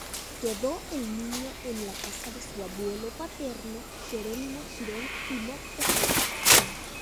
Quedó el niño en la casa de su abuelo paterno, Jerónimo Girón y Moctezuma.